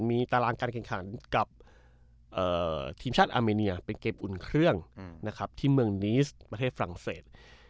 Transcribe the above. มีตารางการแข่งขันกับทีมชาติอาเมเนียเป็นเกมอุ่นเครื่องนะครับที่เมืองนีสประเทศฝรั่งเศส